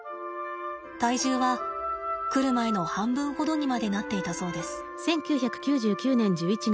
体重は来る前の半分ほどにまでなっていたそうです。